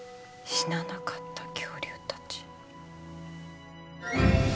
死ななかった恐竜たち。